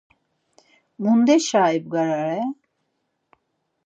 Munderaşa ibgarare?